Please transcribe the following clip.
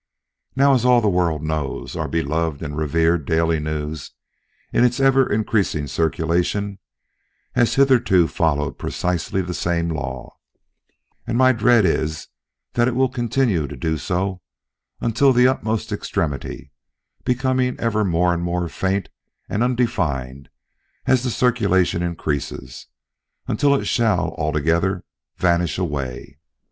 Now, as all the world knows, our beloved and revered Daily News, in its ever increasing circulation, has hitherto followed precisely the same law; and my dread is that it will continue to do so unto the utmost extremity, becoming ever more and more faint and undefined as the circulation increases, until it shall altogether vanish away.